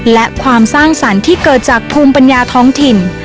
และความสร้างสรรค์ที่เกิดจากภูมิปัญญาท้องถิ่น